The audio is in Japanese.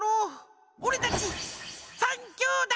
おれたち３きょうだい！